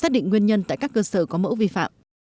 nguyên nhân tại các cơ sở có mẫu vi phạm